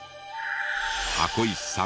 箱石さん